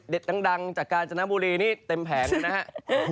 เด็ดดังจากการสนับบุรีนี่เต็มแผงกันนะฮะ